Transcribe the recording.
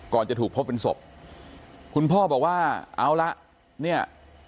จะถูกพบเป็นศพคุณพ่อบอกว่าเอาละเนี่ย